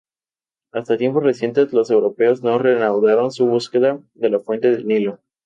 Hasta tiempos recientes los europeos no reanudaron su búsqueda de la fuente del Nilo.